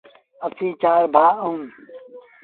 اسيٚݩ چآر ڀآ اَهوݩ،